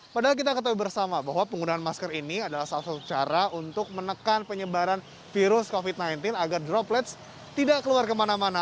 padahal kita ketahui bersama bahwa penggunaan masker ini adalah salah satu cara untuk menekan penyebaran virus covid sembilan belas agar droplets tidak keluar kemana mana